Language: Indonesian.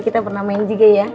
kita pernah main juga ya